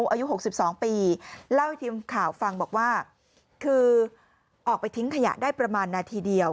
อายุ๖๒ปีเล่าให้ทีมข่าวฟังบอกว่าคือออกไปทิ้งขยะได้ประมาณนาทีเดียว